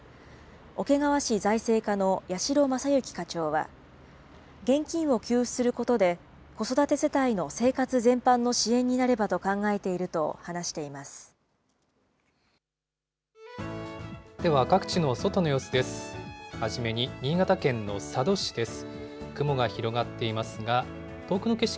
桶川市財政課の矢代雅之課長は、現金を給付することで、子育て世帯の生活全般の支援になればと考えていると話しています。